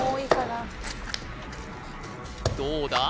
どうだ